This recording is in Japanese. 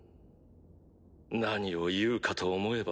何を言うかと思えば。